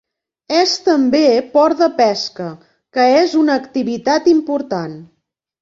És també port de pesca, que és una activitat important.